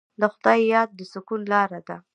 د خدای یاد د سکون لاره ده.